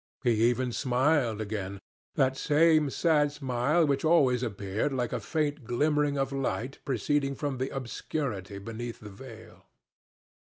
He even smiled again—that same sad smile which always appeared like a faint glimmering of light proceeding from the obscurity beneath the veil.